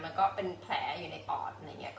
มันก็เป็นแผลอยู่ในปอด